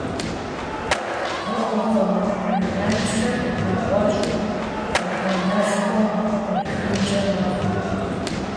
Уэ уфӀэмыхьэнэншэм нэгъуэщӀым мыхьэнэшхуэ кърихынкӀэ мэхъу.